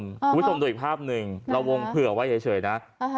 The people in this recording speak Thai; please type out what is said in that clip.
คุณผู้ชมดูอีกภาพหนึ่งเราวงเผื่อไว้เฉยนะ